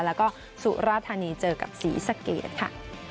แล้วก็สุราธานีเจอกับศรีสะเกดค่ะ